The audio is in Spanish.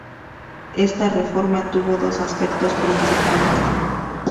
Esta reforma tuvo dos aspectos principales.